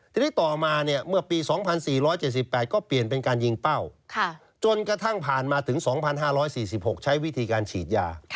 ทีนี้ต่อมาเมื่อปี๒๔๗๘ก็เปลี่ยนเป็นการยิงเป้าจนกระทั่งผ่านมาถึง๒๕๔๖ใช้วิธีการฉีดยา